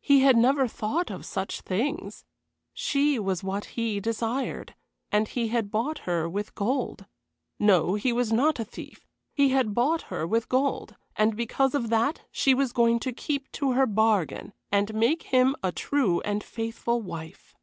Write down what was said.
He had never thought of such things. She was what he desired, and he had bought her with gold. No, he was not a thief, he had bought her with gold, and because of that she was going to keep to her bargain, and make him a true and faithful wife.